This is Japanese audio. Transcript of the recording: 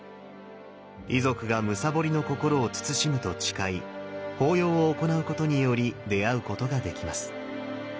遺族がむさぼりの心を慎むと誓い法要を行うことにより出会うことができます。